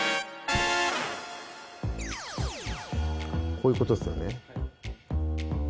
こういう事ですよね。